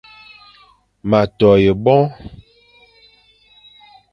Ma to yʼaboñ,